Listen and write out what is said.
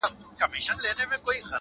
د عِلم تخم ته هواري کړی د زړو کروندې-